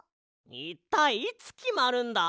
いったいいつきまるんだ？